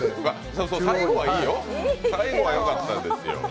最後はいいよ、最後はよかったですよ。